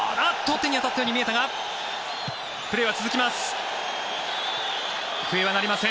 手に当たったように見えたがプレーは続きます。